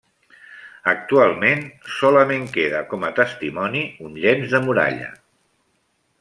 Actualment solament queda com a testimoni un llenç de muralla.